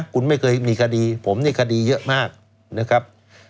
คุณไม่เคยมีคดีผมนี่คดีเยอะมากนะครับ